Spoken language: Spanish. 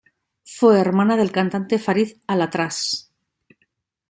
Fue hermana del cantante Farid al-Atrash.